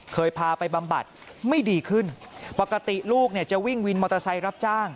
เคยพาไปบำบัดไม่ดีขึ้นปกติลูกเนี่ยจะวิ่งวินมอเตอร์ไซค์รับจ้าง